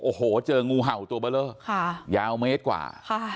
โอ้โหเจองูเห่าตัวเบลอค่ะยาวเมตรกว่าค่ะ